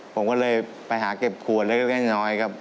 ผมก็เลยไปหาเก็บขวดเล็กน้อยครับ